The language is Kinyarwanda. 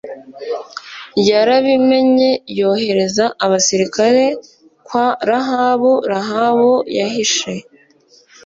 yarabimenye yohereza abasirikare kwa Rahabu Rahabu yahishe